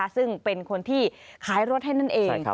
ซึ่งเป็นคนที่ขายรถให้นั่นเอง